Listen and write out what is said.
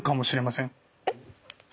えっ？